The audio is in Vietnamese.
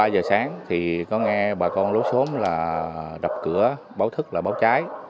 ba giờ sáng thì có nghe bà con lối xóm là đập cửa báo thức là báo cháy